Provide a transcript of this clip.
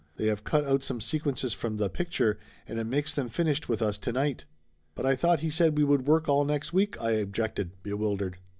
They have cut out some sequences from tha picture, and it makes them finished with us to night!" "But I thought he said we would work all next week!" I objected, bewildered.